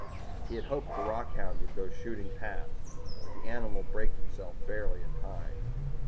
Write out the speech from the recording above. He had hoped the rockhound would go shooting past, but the animal braked itself barely in time.